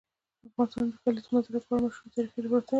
افغانستان د د کلیزو منظره په اړه مشهور تاریخی روایتونه لري.